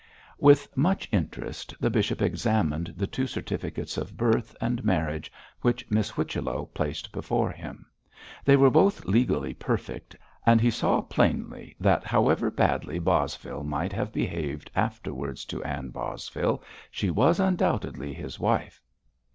With much interest the bishop examined the two certificates of birth and marriage which Miss Whichello placed before him. They were both legally perfect, and he saw plainly that however badly Bosvile might have behaved afterwards to Ann Bosvile she was undoubtedly his wife.